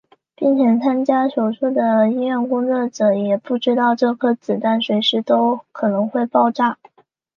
并且参加手术的医院工作人员也不知道这颗子弹随时都可能会爆炸。